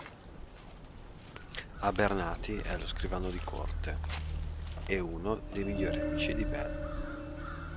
Abernathy è lo scrivano di corte, e uno dei migliori amici di Ben.